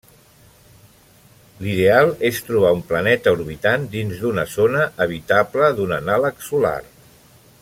L'ideal és trobar un planeta orbitant dins d'una zona habitable d'un anàleg solar.